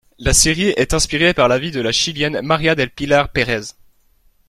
La série est inspiré par la vie de la chilienne María del Pilar Pérez.